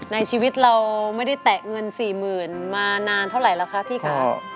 ในชีวิตเราไม่ได้แตะเงิน๔๐๐๐๐บาทมานานเท่าไรแล้วคะ